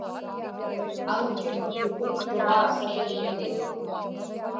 aŋutim qipuktuġaa savigmiñik